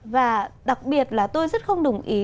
và đặc biệt là tôi rất không đồng ý